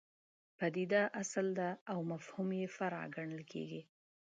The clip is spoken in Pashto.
پدیده اصل ده او مفهوم یې فرع ګڼل کېږي.